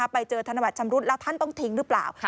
ไปเจอธนบัตรชำรุดแล้วท่านต้องทิ้งหรือเปล่า